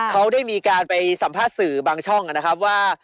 เขาได้มีการไปสัมภาษณ์สื่อบางช่องนะครับว่า